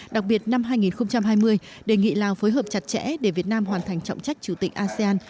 đặc biệt năm hai nghìn hai mươi đề nghị lào phối hợp chặt chẽ để việt nam hoàn thành trọng trách chủ tịch asean